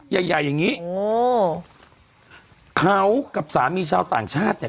ใหญ่ใหญ่อย่างงี้โอ้เขากับสามีชาวต่างชาติเนี่ย